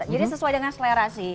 jadi sesuai dengan selera sih